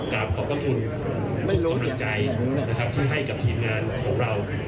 กลับขอบพระคุณกำลังใจนะครับที่ให้กับทีมงานของเรา